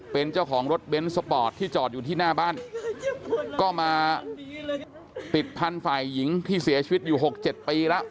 เป็นเจ้าของรถเบนท์สปอร์ตที่จอดอยู่ที่หน้าบ้านก็มาติดพันธุ์ฝ่ายหญิงที่เสียชีวิตอยู่๖๗ปีแล้ว